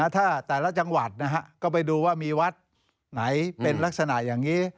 ถ้าแต่ละจังหวัดก็ไปดูว่ามีวัดไหนเป็นลักษณะอย่างนี้